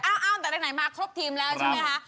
เอ้าแต่ไหนมาครบทีมแล้วใช่ไหมคะ